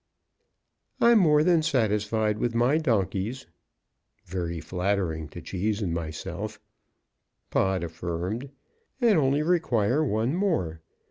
"I'm more than satisfied with my donkeys" (very flattering to Cheese and myself), Pod affirmed, "and only require one more.